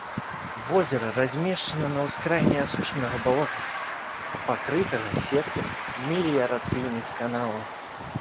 Возера размешчана на ўскраіне асушанага балота, пакрытага сеткай меліярацыйных каналаў.